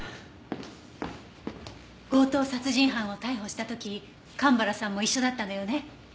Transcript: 強盗殺人犯を逮捕した時蒲原さんも一緒だったのよね？